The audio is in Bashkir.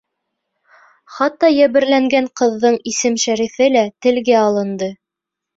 Хатта йәберләнгән ҡыҙҙың исем-шәрифе лә телгә алынды.